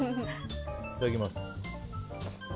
いただきます。